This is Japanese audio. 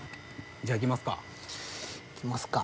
じゃあいきますか。